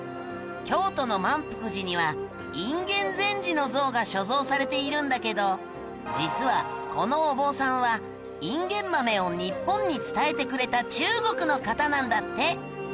京都の萬福寺には隠元禅師の像が所蔵されているんだけど実はこのお坊さんはインゲンマメを日本に伝えてくれた中国の方なんだって。